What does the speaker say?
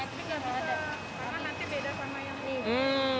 karena nanti beda sama yang ini